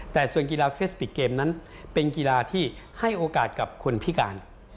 แต่ส่วนกีฬาเฟสติกเกมนั้นเป็นกีฬาที่ให้โอกาสกับคนพิการ